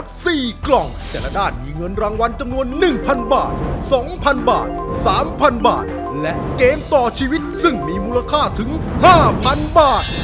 ๑๖ได้อีก๔กรัมแล้วนะครับ